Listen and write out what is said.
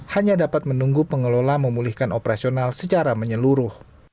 hanya dapat menunggu pengelola memulihkan operasional secara menyeluruh